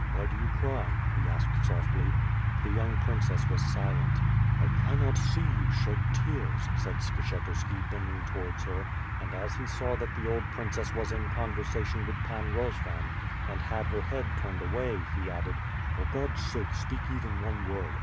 Why do you cry?" he asked softly. The young princess was silent. "I cannot see you shed tears,'' said Skshetuski, bending towards her; and as he saw that the old princess was in conversation with the Pan Rozvan, and had her head turned away, he added: "For God's sake, speak even one word.